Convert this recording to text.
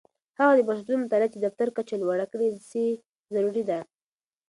د هغه بنسټونو مطالعه چې د فقر کچه لوړه کړې سي، ضروری ده.